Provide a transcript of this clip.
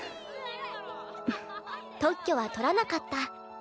特許は取らなかった